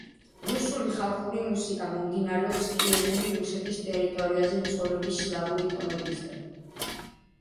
რუსული ხალხური მუსიკა მომდინარეობს კიევური რუსეთის ტერიტორიაზე მცხოვრები სლავური ტომებისგან.